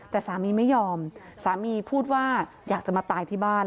แต่สามีไม่ยอมสามีพูดว่าอยากจะมาตายที่บ้าน